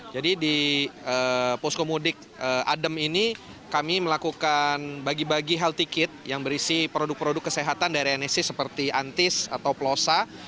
jadi di poskomudik adem ini kami melakukan bagi bagi health kit yang berisi produk produk kesehatan dari nsc seperti antis atau plosa